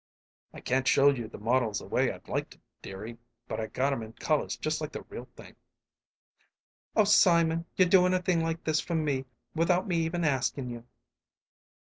"I can't show you the models the way I'd like to, dearie, but I got 'em in colors just like the real thing." "Oh, Simon, you're doin' a thing like this for me without me even askin' you!"